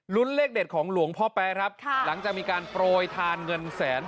เลขเด็ดของหลวงพ่อแป๊ครับค่ะหลังจากมีการโปรยทานเงินแสน